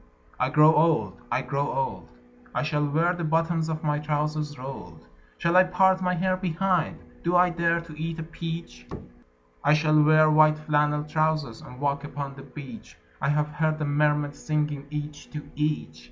I grow old ... I grow old ... I shall wear the bottoms of my trousers rolled. Shall I part my hair behind? Do I dare to eat a peach? I shall wear white flannel trousers, and walk upon the beach. I have heard the mermaids singing, each to each.